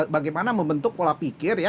bagaimana membentuk pola pikir ya